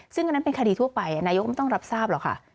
ซึ่งอันนั้นเป็นคดีทั่วไปนายกไม่ต้องรับทราบหรอกค่ะ